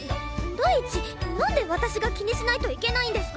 第一なんで私が気にしないといけないんですか！？